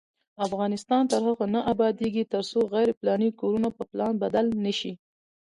افغانستان تر هغو نه ابادیږي، ترڅو غیر پلاني کورونه په پلان بدل نشي.